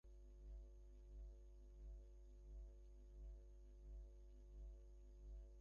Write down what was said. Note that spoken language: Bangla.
তা যতক্ষণ না হয়, এক জায়গায় বসিয়া সাধনে নিমগ্ন হওয়া উচিত।